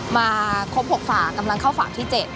มาครบ๖ฝากกำลังเข้าฝั่งที่๗